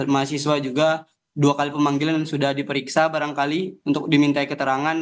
mahasiswa juga dua kali pemanggilan dan sudah diperiksa barangkali untuk dimintai keterangan